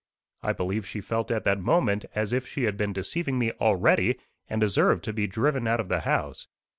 I believe she felt at that moment as if she had been deceiving me already, and deserved to be driven out of the house.